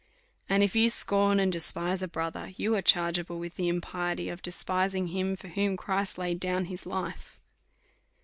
And if you scorn and despise a brother, you are chargeable with the impiety of despising him, for whom Christ laid down his life.